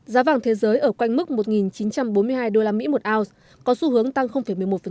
giá vàng thế giới ở quanh mức một chín trăm bốn mươi hai usd một ounce có xu hướng tăng một mươi một